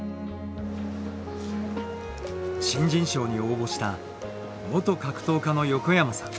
新人賞に応募した元格闘家の横山さん。